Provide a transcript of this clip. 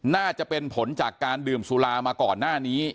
น่าจะเป็นผลจากการดื่มสุรามาก่อนหน้านี้